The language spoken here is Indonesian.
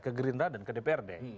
ke gerindra dan ke dprd